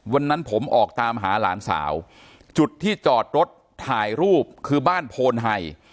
วันนั้นผมออกตามหาหลานสาวจุดที่จอดรถถ่ายรูปคือบ้านโพนไฮ